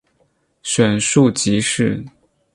选庶吉士。